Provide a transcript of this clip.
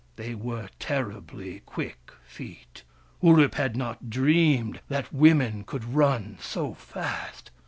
They were terribly quick feet. Wurip had not dreamed that women could run so fast.